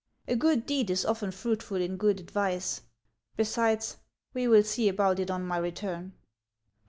A good deed is often fruitful in good advice. Besides, we will see about it on my return."